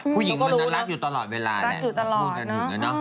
พุ่ยีงมันรักอยู่ตลอดเวลาอาหารพูดถึง